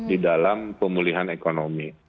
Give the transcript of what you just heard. di dalam pemulihan ekonomi